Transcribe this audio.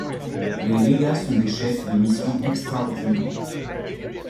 Les légats sont des chefs de mission extraordinaires.